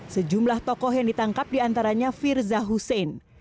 sejumlah tokoh yang ditangkap diantaranya firzah hussein